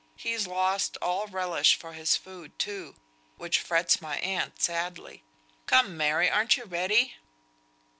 He's lost all relish for his food, too, which frets my aunt sadly. Come! Mary, ar'n't you ready?"